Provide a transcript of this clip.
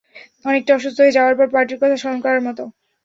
অনেকটা অসুস্থ হয়ে যাওয়ার পর পার্টির কথা স্মরণ করার মতো!